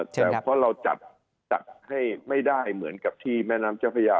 เพราะเราจัดให้ไม่ได้เหมือนกับที่แม่น้ำเจ้าพระยา